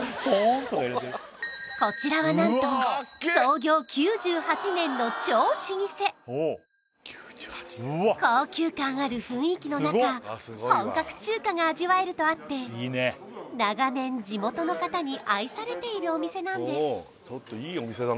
こちらはなんと創業９８年の超老舗高級感ある雰囲気の中本格中華が味わえるとあって長年地元の方に愛されているお店なんです